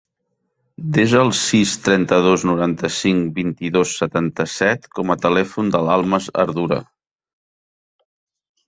Desa el sis, trenta-dos, noranta-cinc, vint-i-dos, setanta-set com a telèfon de l'Almas Ardura.